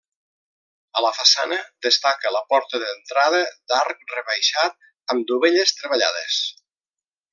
A la façana, destaca la porta d'entrada d'arc rebaixat amb dovelles treballades.